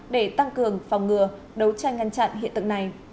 để tăng cường phòng ngừa đấu tranh ngăn chặn hiện tượng này